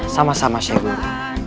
sama sama syekh guru